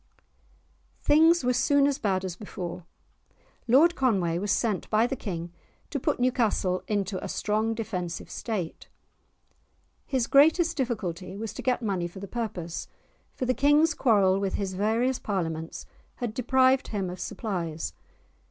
Things were soon as bad as before. Lord Conway was sent by the King to put Newcastle into a strong defensive state. His greatest difficulty was to get money for the purpose, for the King's quarrel with his various Parliaments had deprived him of supplies.